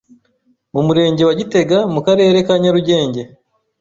mu Murenge wa Gitega mu Karere ka Nyarugenge,